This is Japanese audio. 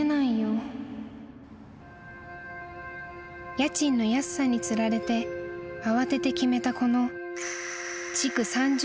［家賃の安さにつられて慌てて決めたこの］